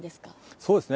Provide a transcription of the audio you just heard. そうですね。